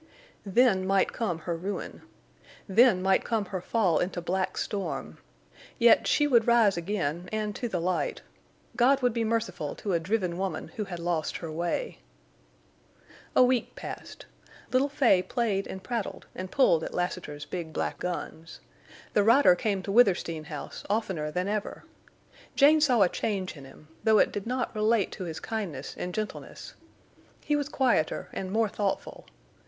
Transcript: Then might come her ruin. Then might come her fall into black storm. Yet she would rise again, and to the light. God would be merciful to a driven woman who had lost her way. A week passed. Little Fay played and prattled and pulled at Lassiter's big black guns. The rider came to Withersteen House oftener than ever. Jane saw a change in him, though it did not relate to his kindness and gentleness. He was quieter and more thoughtful.